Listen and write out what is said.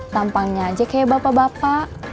tampangnya aja kayak bapak bapak